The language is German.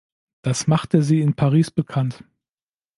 Das machte sie in Paris bekannt.